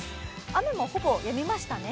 雨もほぼやみましたね。